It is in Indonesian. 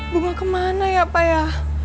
bunga kemana ya pak ya